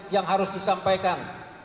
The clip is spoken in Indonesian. yang harus disampaikan